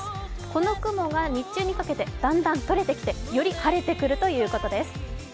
この雲が日中にかけてだんだんとれてきてより晴れてくるということです。